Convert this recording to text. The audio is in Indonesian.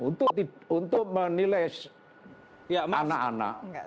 nah untuk menilai anak anak